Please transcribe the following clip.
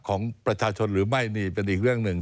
ของประชาชนหรือไม่นี่เป็นอีกเรื่องหนึ่ง